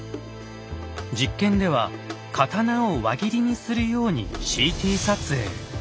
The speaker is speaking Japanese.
実験では刀を輪切りにするようにＣＴ撮影。